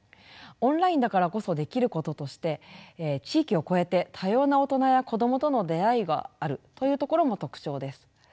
オンラインだからこそできることとして地域を超えて多様な大人や子どもとの出会いがあるというところも特徴です。